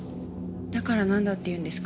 だからなんだっていうんですか？